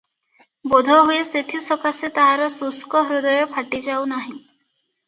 ବୋଧହୁଏ ସେଥିସକାଶେ ତାହାର ଶୁଷ୍କ ହୃଦୟ ଫାଟିଯାଉ ନାହିଁ ।